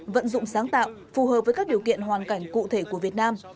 vận dụng sáng tạo phù hợp với các điều kiện hoàn cảnh cụ thể của việt nam